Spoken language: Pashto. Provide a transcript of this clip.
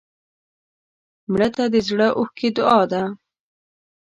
مړه ته د زړه اوښکې دعا ده